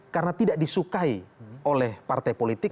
karena tidak disukai oleh partai politik